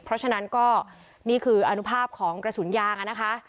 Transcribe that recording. เพราะฉะนั้นก็นี่คืออนุภาพของกระสุนยางอะนะคะ